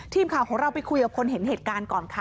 ทีมข่าวของเราไปคุยกับคนเห็นเหตุการณ์ก่อนค่ะ